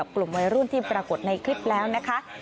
กลุ่มวัยรุ่นที่ปรากฏในคลิปแล้วนะคะ